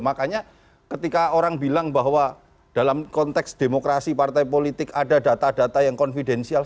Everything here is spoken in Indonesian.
makanya ketika orang bilang bahwa dalam konteks demokrasi partai politik ada data data yang confidensial